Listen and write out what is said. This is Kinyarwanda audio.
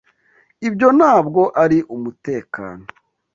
Ibyo ntabwo ari umutekano.